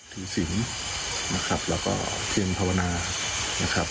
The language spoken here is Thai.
ถือศริงนะครับและก็เคลียมภาวนานะครับ